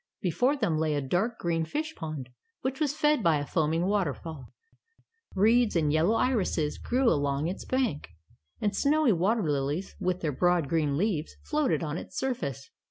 Before them lay a dark green fish pond, which was fed by a foaming waterfall. Reeds and yellow irises grew along its bank, and snowy water lilies, with their broad green leaves, floated on its surface.